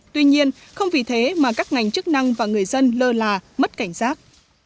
tuy nhiên không vì thế mà các ngành chức năng và người dân lơ là mất cảnh giác